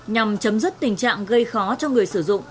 nhằm chấm dứt tình trạng gây khó cho người sử dụng